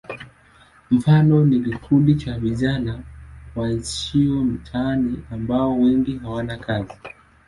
Mfano ni kikundi cha vijana waishio mitaani ambao wengi hawana kazi.